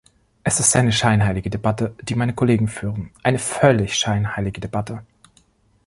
Es ist eine scheinheilige Debatte, die meine Kollegen führen, eine völlig scheinheilige Debatte!